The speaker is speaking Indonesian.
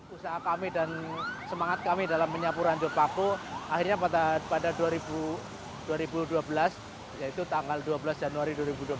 usaha kami dan semangat kami dalam penyapuran jopaku akhirnya pada dua ribu dua belas yaitu tanggal dua belas januari dua ribu dua puluh